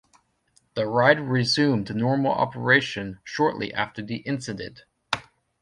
The ride resumed normal operation shortly after the incident.